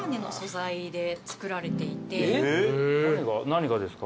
何がですか？